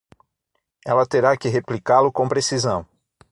Ela terá que replicá-lo com precisão.